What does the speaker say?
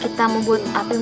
apa yang dia ngapain